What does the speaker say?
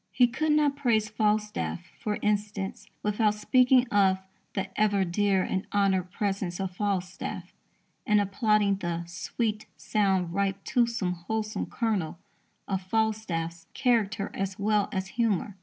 He could not praise Falstaff, for instance, without speaking of "the ever dear and honoured presence of Falstaff," and applauding the "sweet, sound, ripe toothsome, wholesome kernel" of Falstaff's character as well as humour.